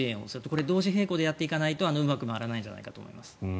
これ、同時並行でやっていかないとうまく回らないんじゃないかと思います。